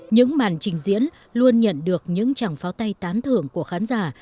những màn trình diễn luôn nhận được những chẳng pháo tay tán thưởng của khán giả